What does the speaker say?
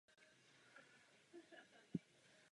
Klenba presbytáře je na první pohled propracovanější.